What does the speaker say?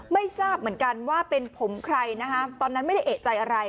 ไม่ทราบเหมือนกันว่าเป็นผมใครนะคะตอนนั้นไม่ได้เอกใจอะไร